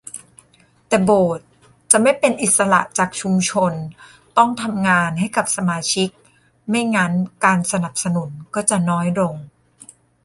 แต่โบสถ์จะไม่เป็นอิสระจากชุมชน ต้องทำงานให้กับสมาชิก ไม่งั้นการสนับสนุนก็จะน้อยลง